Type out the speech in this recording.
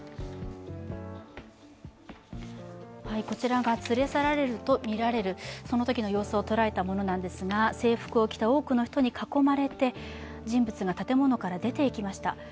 こちらが連れ去られるとみられる、そのときの様子を捉えたものなんですが制服を着た多くの人に囲まれて人物が建物から出て行きました。